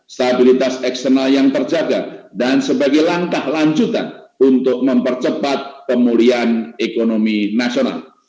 stabilitas eksternal yang terjaga dan sebagai langkah lanjutan untuk mempercepat pemulihan ekonomi nasional